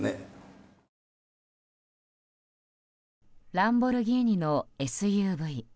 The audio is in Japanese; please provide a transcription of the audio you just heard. ランボルギーニのＳＵＶ。